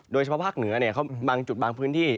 โดยเฉพาะภาคเหนือบางจุดบางพื้นที่